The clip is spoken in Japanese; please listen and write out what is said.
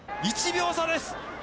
１秒差です。